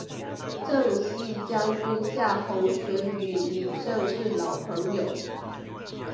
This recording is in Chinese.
征西将军夏侯玄与李胜是老朋友。